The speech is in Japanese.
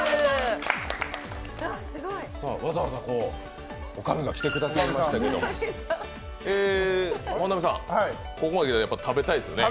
わざわざおかみが来てくださいましたけど本並さん、ここまで来たら食べたいですよね？